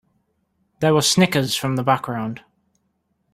There were snickers from the background.